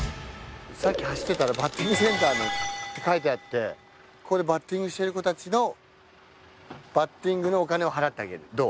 さっき走ってたらバッティングセンターって書いてあってここでバッティングしてる子たちのバッティングのお金を払ってあげる。